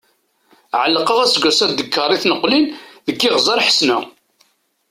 Ɛelqeɣ aseggas-a dekkeṛ i tneqlin deg Iɣzeṛ Ḥesna.